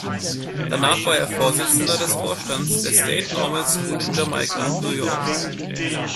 Danach war er Vorsitzender des Vorstands der "State Normal School" in Jamaica, New York.